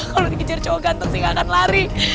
kalo dikejar cowok ganteng sih nggak akan lari